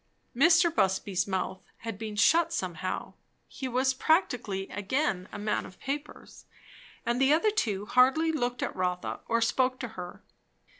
Mr. Busby's mouth had been shut somehow; he was practically again a man of papers; and the other two hardly looked at Rotha or spoke to her.